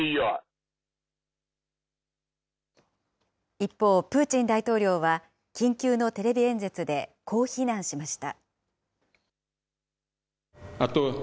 一方、プーチン大統領は緊急のテレビ演説でこう非難しました。